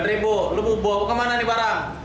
rp sembilan lu bawa kemana nih barang